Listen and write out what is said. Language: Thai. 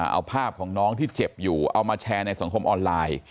เอาภาพของน้องที่เจ็บอยู่เอามาแชร์ในสังคมออนไลน์